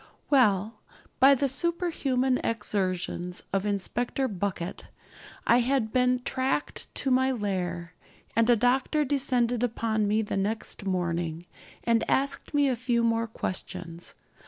Well, by the superhuman exertions of Inspector Bucket I had been tracked to my lair, and a doctor descended upon me the next morning, and asked me a few more questions.